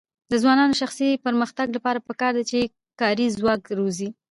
د ځوانانو د شخصي پرمختګ لپاره پکار ده چې کاري ځواک روزي.